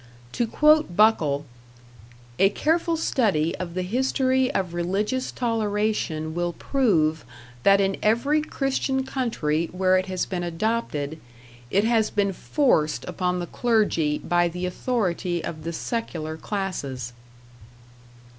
To quote Buckle: "A careful study of the history of religious toleration will prove that in every Christian country where it has been adopted, it has been forced upon the clergy by the authority of the secular classes."